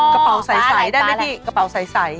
กระเป๋าใสได้มั้ยพี่